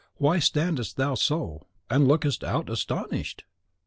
(Why standest thou so, and lookest out astonished?)